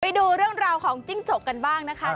ไปดูเรื่องราวของจิ้งจกกันบ้างนะคะ